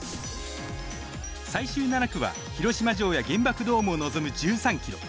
最終７区は広島城や原爆ドームを望む１３ｋｍ。